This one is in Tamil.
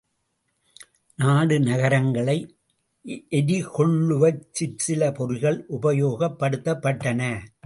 நாடு நகரங்களை எரிகொளுவச் சிற்சில பொறிகள் உபயோகப் படுத்தப்பட்டன.